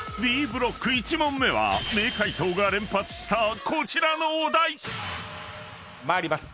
［Ｂブロック１問目は名回答が連発したこちらのお題］参ります。